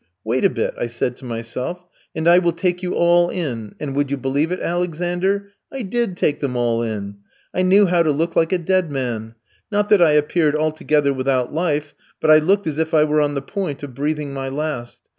'Wait a bit,' I said to myself, 'and I will take you all in'; and, would you believe it, Alexander? I did take them all in. I knew how to look like a dead man; not that I appeared altogether without life, but I looked as if I were on the point of breathing my last.